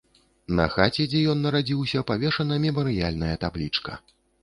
На хаце, дзе ён нарадзіўся, павешана мемарыяльная таблічка.